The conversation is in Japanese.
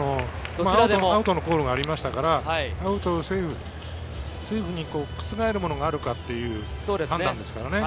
アウトのコールがありましたから、セーフに覆るものがあるかっていう判断ですからね。